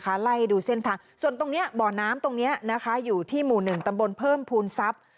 กำลังไล่ดูเส้นทางส่วนตรงนี้เบาะน้ำอยู่ที่หมู่๑ตำบลเพิ่มภูมิทรัพย์